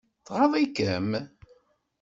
Tɣaḍ-ikem?